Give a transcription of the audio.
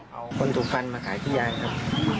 เอาคนถูกฟันมาขายที่ยางครับ